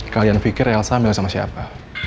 kalian pikir elsa milih sama siapa